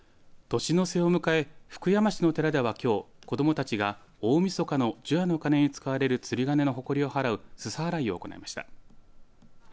年の瀬を迎え福山市の寺では、きょう子どもたちが大みそかの除夜の鐘に使われる釣り鐘のほこりを払うすす払いを行いました。